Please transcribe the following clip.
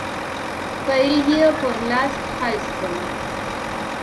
Fue dirigido por Lasse Hallström.